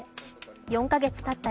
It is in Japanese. ４か月たった